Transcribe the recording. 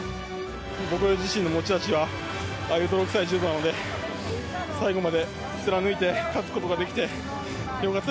僕自身の持ち味は、ああいう泥臭い柔道なので、最後まで貫いて、勝つことができてよ